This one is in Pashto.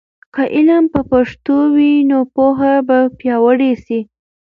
که علم په پښتو وي، نو پوهه به پیاوړې سي.